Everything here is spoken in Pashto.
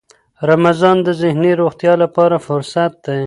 رمضان د ذهني روغتیا لپاره فرصت دی.